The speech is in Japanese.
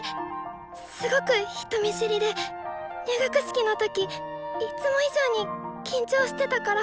すごく人見知りで入学式の時いっつも以上に緊張してたから。